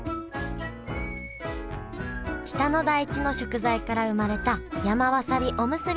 北の大地の食材から生まれた山わさびおむすび。